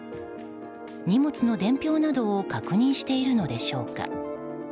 荷物の伝票などを確認しているのでしょうか。